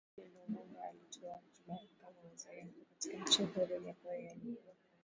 nje Lumumba alitoa hotuba yake kama Waziri mkuu katika nchi huru japo yeye alikuwa